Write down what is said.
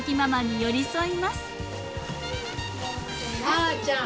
はーちゃん。